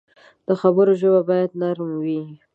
د خبرو ژبه باید نرم وي